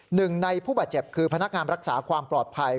หนึ่งในผู้บาดเจ็บคือพนักงานรักษาความปลอดภัย